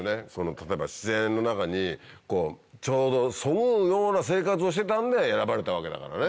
例えば自然の中にちょうどそぐうような生活をしてたんで選ばれたわけだからね。